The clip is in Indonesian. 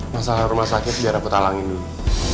masalah rumah sakit biar aku talangin dulu